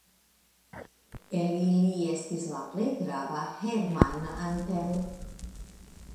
El ili estis la plej grava Hermann Antell.